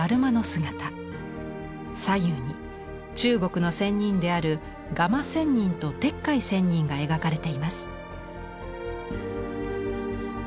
左右に中国の仙人である蝦蟇仙人と鉄拐仙人が描かれています。